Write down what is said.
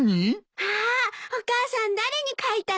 わお母さん誰に書いたの？